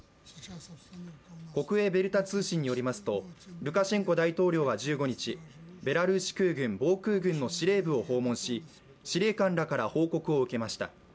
国営ベルタ通信によりますと、ルカシェンコ大統領は１５日、ベラルーシ空軍・防空軍の司令部を訪問し司令官らから報告を受けました。